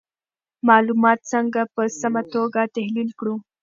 معلومات څنګه په سمه توګه تحلیل کړو؟